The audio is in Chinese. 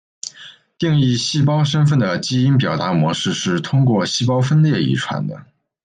定义细胞身份的基因表达模式是通过细胞分裂遗传的。